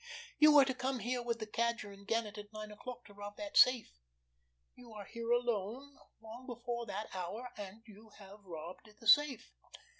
You were to come here with the Cadger and Gannet at nine o'clock to rob that safe. You are here alone long before that hour, and you have robbed the safe.